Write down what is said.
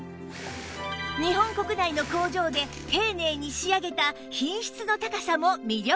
日本国内の工場で丁寧に仕上げた品質の高さも魅力